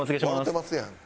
笑うてますやん」。